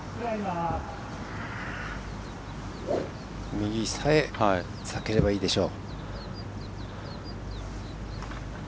右さえ避ければいいでしょう。